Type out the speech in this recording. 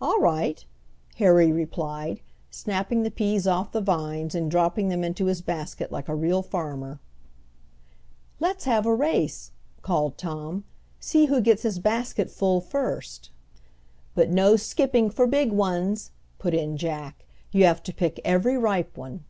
"All right," Harry replied, snapping the peas off the vines and dropping them into his basket like a real farmer. "Let's have a race," called Tom. "See who gets his basket full first." "But no skipping for big ones," put in Jack. "You have to pick every ripe one."